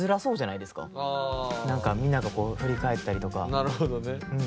なるほどね。